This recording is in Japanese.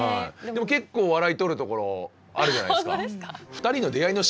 でも結構笑いとるところあるじゃないですか。